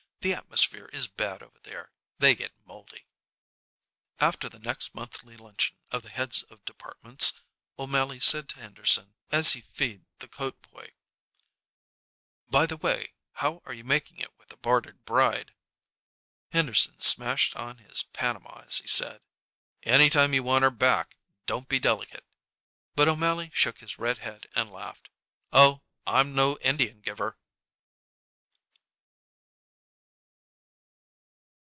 The atmosphere is bad over there. They get moldy." After the next monthly luncheon of the heads of departments, O'Mally said to Henderson, as he feed the coat boy: "By the way, how are you making it with the bartered bride?" Henderson smashed on his Panama as he said: "Any time you want her back, don't be delicate." But O'Mally shook his red head and laughed. "Oh, I'm no Indian giver!"